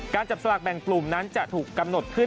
จับสลากแบ่งกลุ่มนั้นจะถูกกำหนดขึ้น